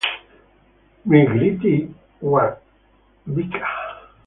Mrighiti wavika.